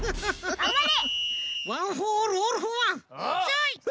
がんばれ！